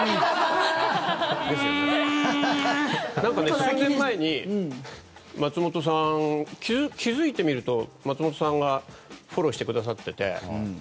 数年前に松本さん気付いてみると、松本さんがフォローしてくださってて。